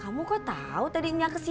kamu kok tau tadi nya kesini